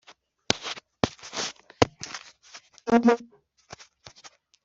Bisa bitagira isano-Ururo n'urumamfu.